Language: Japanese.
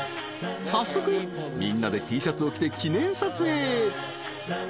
［早速みんなでＴシャツを着て記念撮影］